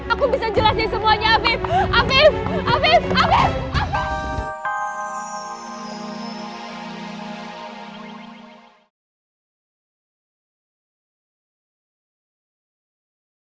aku bisa jelasin semuanya afif